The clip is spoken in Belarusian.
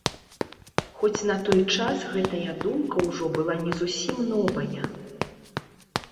Хоць на той час гэтая думка ўжо была не зусім новая.